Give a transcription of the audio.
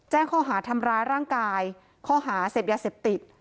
ข้อหาทำร้ายร่างกายข้อหาเสพยาเสพติด